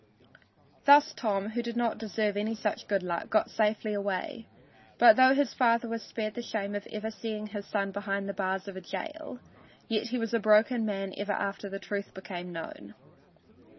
Thus Tom, who did not deserve any such good luck, got safely away, but though his father was spared the shame of ever seeing his son behind the bars of a jail, yet he was a broken man ever after the truth became known.